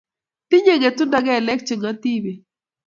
Tinyei ngetundo kelek che ngotiben